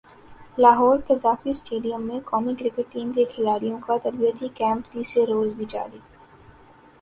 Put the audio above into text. Lahore Gaddafi stadium میں قومی cricket team کے کھلاڑیوں کا تربیتی کیمپ تیسرے روز بھی جاری